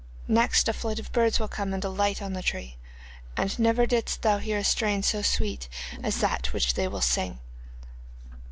Next a flight of birds will come and alight on the tree, and never didst thou hear a strain so sweet as that which they will sing.